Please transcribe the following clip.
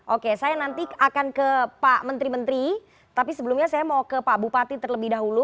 oke saya nanti akan ke pak menteri menteri tapi sebelumnya saya mau ke pak bupati terlebih dahulu